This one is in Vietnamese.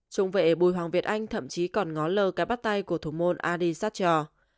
trung vệ bùi hoàng việt anh thậm chí còn ngó lơ cái bắt tay của thủ môn adi sachar